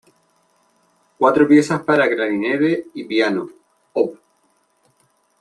Cuatro piezas para clarinete y piano, op.